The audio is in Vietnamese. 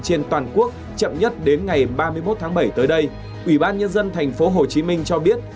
trên toàn quốc chậm nhất đến ngày ba mươi một tháng bảy tới đây ủy ban nhân dân thành phố hồ chí minh cho biết